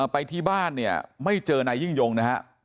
ไปที่บ้านไม่เจอนายยิ่งยงนะครับ